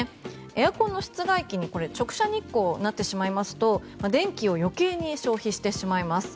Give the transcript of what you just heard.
エアコンの室外機に直射日光になってしまいますと電気を余計に消費してしまいます。